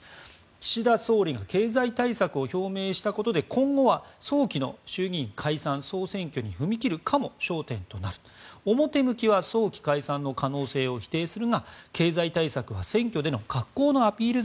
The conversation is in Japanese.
岸田総理が経済対策を表明したことで今後は早期の衆議院解散・総選挙に踏み切るかも焦点となる表向きは早期解散の可能性を否定するが経済対策は選挙での格好のアピール